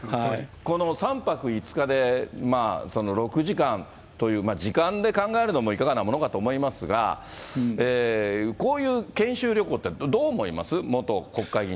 この３泊５日で６時間という、時間で考えるのもいかがなものかと思いますが、こういう研修旅行ってどう思います？